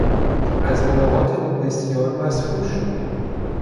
از ملاقات او بسیار مسرور شدیم!